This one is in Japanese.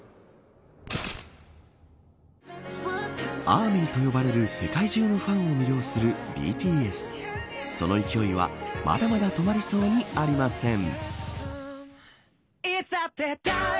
アーミーと呼ばれる世界中のファンを魅了するＢＴＳその勢いは、まだまだ止まりそうにありません。